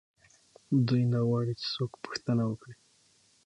دوی نه غواړي چې څوک پوښتنه وکړي.